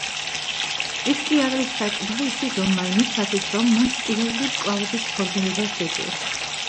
ეს კი არ არის საკმარისი ზომა იმისათვის, რომ მან სპირალური მკლავების ფორმირება შეძლოს.